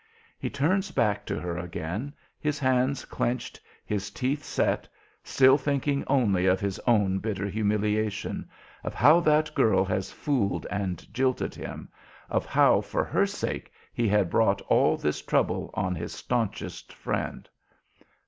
He turns back to her again, his hands clinched, his teeth set, still thinking only of his own bitter humiliation, of how that girl has fooled and jilted him, of how for her sake he had brought all this trouble on his stanchest friend.